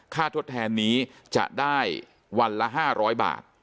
ทดแทนนี้จะได้วันละ๕๐๐บาท